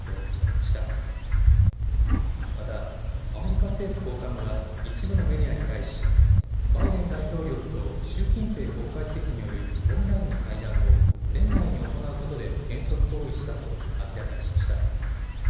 またアメリカ政府高官は一部のメディアに対しバイデン大統領と習近平国家主席によるオンラインの会談を年内に行うことで原則合意したと明らかにしました。